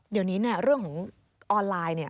เดี๋ยวนี้เรื่องของออนไลน์